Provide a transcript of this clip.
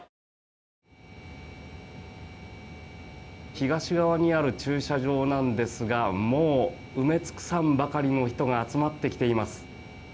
東側にある駐車場なんですがもう、埋め尽くさんばかりの人が集まってきています。